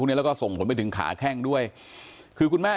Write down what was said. ถ้าไม่ได้ทำ